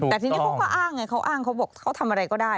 แต่ทีนี้เขาก็อ้างไงเขาอ้างเขาบอกเขาทำอะไรก็ได้